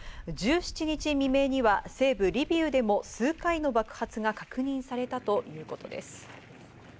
１７日未明には西部リビウでも数回の爆発が確認されたということです。